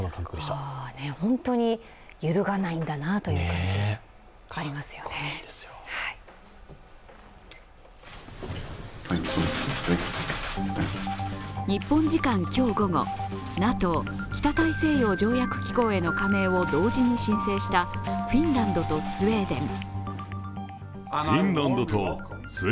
日本のエースは来シーズンも日本時間今日午後、ＮＡＴＯ＝北大西洋条約機構への加盟を同時に申請したフィンランドとスウェーデン。